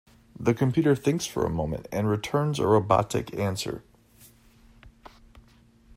The computer thinks for a moment and returns a robotic answer.